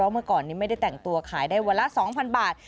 เมื่อก่อนนี้ไม่ได้แต่งตัวขายได้วันละ๒๐๐บาท